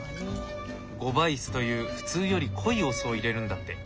五倍酢という普通より濃いお酢を入れるんだって。